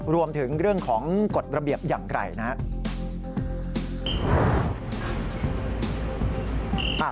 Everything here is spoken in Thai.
รวมถึงเรื่องของกฎระเบียบอย่างไรนะครับ